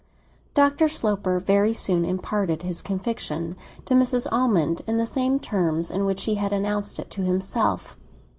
XXI DR. SLOPER very soon imparted his conviction to Mrs. Almond, in the same terms in which he had announced it to himself.